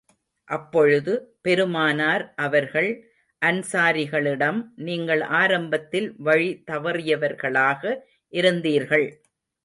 அப்பொழுது, பெருமானார் அவர்கள் அன்ஸாரிகளிடம், நீங்கள் ஆரம்பத்தில் வழி தவறியவர்களாக இருந்தீர்கள்.